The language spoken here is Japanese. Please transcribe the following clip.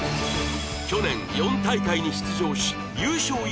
去年４大会に出場し優勝